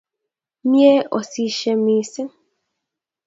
Myee osisye niising'.